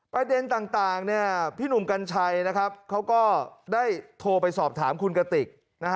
ประเด็นต่างพี่หนุ่มกัญชัยเขาก็ได้โทรไปสอบถามคุณกติก